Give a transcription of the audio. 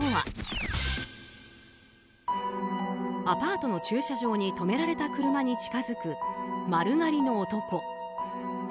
アパートの駐車場に止められた車に近づく丸刈りの男。